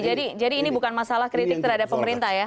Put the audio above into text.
jadi ini bukan masalah kritik terhadap pemerintah ya